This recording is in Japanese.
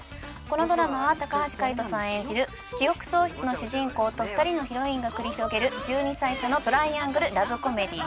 このドラマは橋海人さん演じる記憶喪失の主人公と２人のヒロインが繰り広げる１２歳差のトライアングルラブコメディーです。